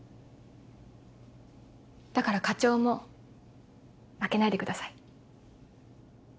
だから課長も負けないでください。